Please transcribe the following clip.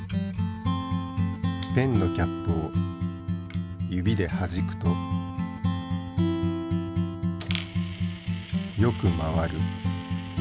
ペンのキャップを指ではじくとよく回る。